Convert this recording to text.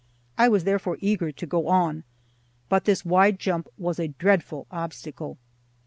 I was therefore eager to go on. But this wide jump was a dreadful obstacle.